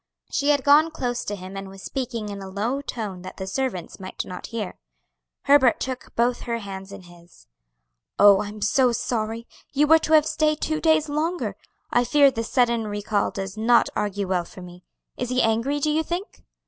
She had gone close to him and was speaking in a low tone that the servants might not hear. Herbert took both her hands in his. "Oh, I am so sorry! You were to have stayed two days longer. I fear this sudden recall does not argue well for me. Is he angry, do you think?"